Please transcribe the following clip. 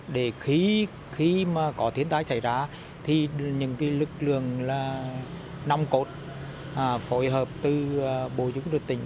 để khi có thiên tai xảy ra những lực lượng nông cột phối hợp từ bộ chính quyền tỉnh